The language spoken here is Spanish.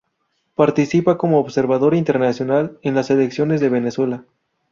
Participa como observador internacional en las elecciones de Venezuela.